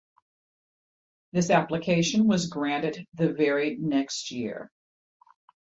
This application was granted the very next year.